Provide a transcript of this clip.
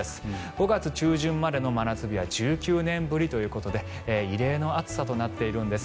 ５月中旬までの真夏日は１９年ぶりということで異例の暑さとなっているんです。